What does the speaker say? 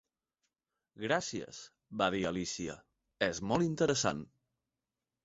"Gràcies", va dir Alícia, "és molt interessant".